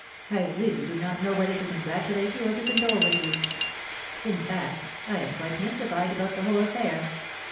I really do not know whether to congratulate you or to condole with you. In fact, I am quite mystified about the whole affair.